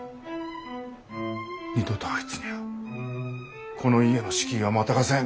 二度とあいつにゃあこの家の敷居はまたがせん。